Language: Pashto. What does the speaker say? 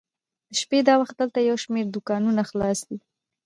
د شپې دا وخت دلته یو شمېر دوکانونه خلاص دي.